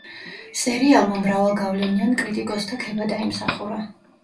სერიალმა მრავალ გავლენიან კრიტიკოსთა ქება დაიმსახურა.